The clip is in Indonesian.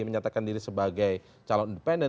menyatakan diri sebagai calon independen